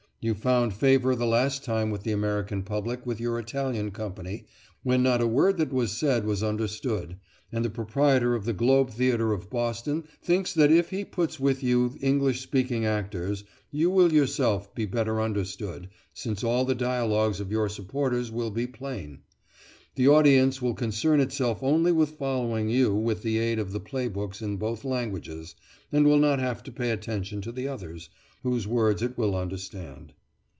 You found favour the last time with the American public with your Italian company, when not a word that was said was understood, and the proprietor of the Globe Theatre of Boston thinks that if he puts with you English speaking actors, you will yourself be better understood, since all the dialogues of your supporters will be plain. The audience will concern itself only with following you with the aid of the play books in both languages, and will not have to pay attention to the others, whose words it will understand."